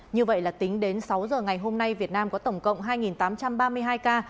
như vậy là tính đến sáu giờ ngày hôm nay việt nam có tổng cộng hai tám trăm ba mươi hai ca